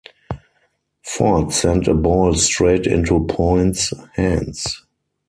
Ford sent a ball straight into point's hands.